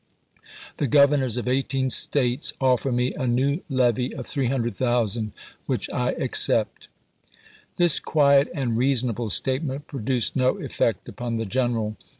The Vol. XL, Governors of eighteen States offer me a new levy of p. 286. ' 300,000, which I accept. This quiet and reasonable statement produced no effect upon the general.